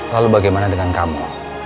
lalu bagaimana dengan kamu